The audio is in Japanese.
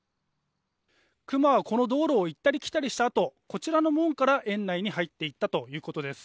クマは、この道路を行ったり来たりしたあとこちらの門から園内に入っていったということです。